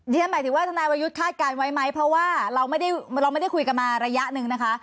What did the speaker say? หมายถึงว่าทนายวรยุทธ์คาดการณ์ไว้ไหมเพราะว่าเราไม่ได้เราไม่ได้คุยกันมาระยะหนึ่งนะคะ